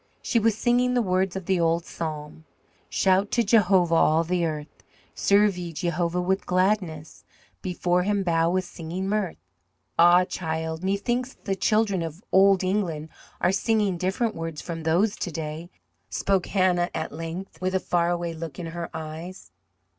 She was singing the words of the old psalm: "Shout to Jehovah, all the earth, Serve ye Jehovah with gladness; before Him bow with singing mirth." "Ah, child, methinks the children of Old England are singing different words from those to day," spoke Hannah at length, with a faraway look in her eyes.